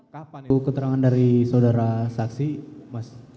kapan bu keterangan dari saudara saksi mas